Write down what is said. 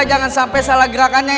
jangan sampai salah gerakannya